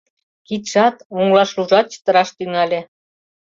Кидшат, оҥылашлужат чытыраш тӱҥале.